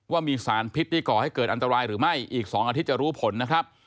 ว่ามีสารพิษที่ก่อให้เกิดอันตรายหรือไม่อีก๒อาทิตย์จะรู้ผลนะครับ